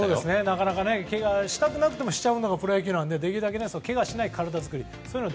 なかなかけがをしたくなくてもしちゃうのがプロなのでけがしない体づくりを。